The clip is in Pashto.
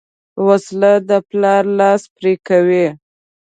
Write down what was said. وسله د پلار لاس پرې کوي